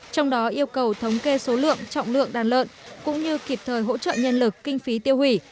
trong đó yêu cầu thống kê số lượng trọng lượng đàn lợn cũng như kịp thời hỗ trợ nhân lực kinh phí tiêu hủy